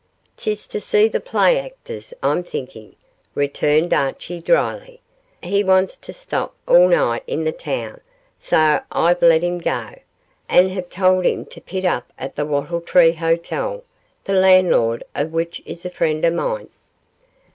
''Tis to see the play actors, I'm thinkin',' returned Archie, dryly. 'He wants tae stap all nicht i' the toun, so I've let him gae, an' have tauld him to pit up at the Wattle Tree Hotel, the landlord o' which is a freend o' mine.